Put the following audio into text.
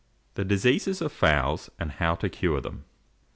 THE DISEASES OF FOWLS, AND HOW TO CURE THEM.